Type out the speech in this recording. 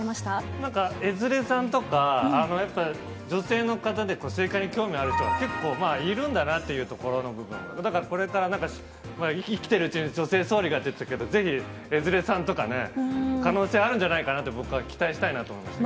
なんか江連さんとか、やっぱ、女性の方で政界に興味ある人が結構、いるんだなというところの部分、だから、これからなんか、生きてるうちに女性総理がって言ってたけど、ぜひ、江連さんとかね、可能性あるんじゃないかなと、僕は期待したいなと思いました。